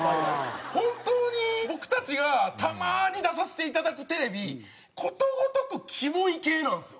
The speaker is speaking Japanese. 本当に僕たちがたまに出させていただくテレビことごとくキモイ系なんですよ。